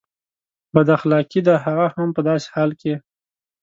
بد اخلاقي ده هغه هم په داسې حال کې.